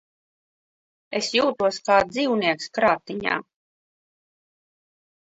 Es jūtos kā dzīvnieks krātiņā.